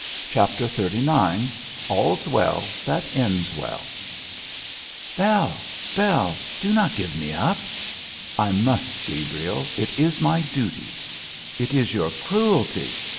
CHAPTER XXXIX ALL'S WELL THAT ENDS WELL 'Bell! Bell! do not give me up.' 'I must, Gabriel; it is my duty.' 'It is your cruelty!